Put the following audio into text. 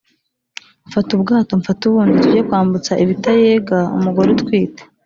Fata ubwato mfate ubundi tujye kwambutsa ibitayega-Umugore utwite.